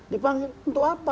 dipanggil untuk apa